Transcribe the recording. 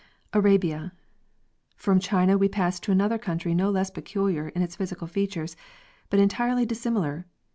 Arabia. From China we pass to another country no less peculiar in its physical features, but entirely dissimilar.